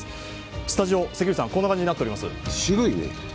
スタジオ、関口さん、こんな感じになっております。